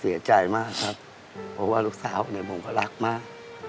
เสียใจมากครับเพราะว่าลูกสาวเนี่ยผมก็รักมาก